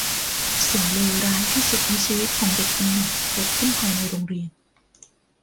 สิ่งเลวร้ายที่สุดในชีวิตของเด็กคนหนึ่งเกิดขึ้นภายในโรงเรียน